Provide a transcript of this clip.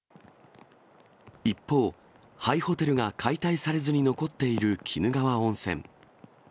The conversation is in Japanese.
一方、廃ホテルが解体されずに残っている鬼怒川温泉。